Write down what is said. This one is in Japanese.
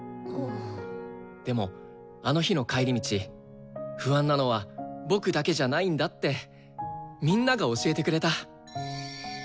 でもあの日の帰り道不安なのは僕だけじゃないんだってみんなが教えてくれた。